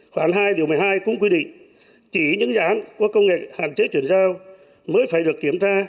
khoảng hai điều một mươi hai cũng quy định chỉ những dự án có công nghệ hạn chế chuyển giao mới phải được kiểm tra